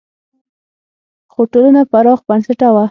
خو ټولنه پراخ بنسټه وه.